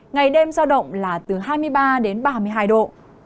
ngày đêm giao động là từ hai mươi ba đến ba mươi hai độ